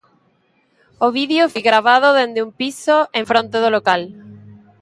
O vídeo foi gravado dende un piso en fronte do local.